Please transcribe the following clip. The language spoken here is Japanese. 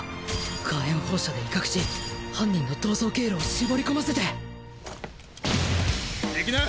火炎放射で威嚇し犯人の逃走経路を絞り込ませて行きな。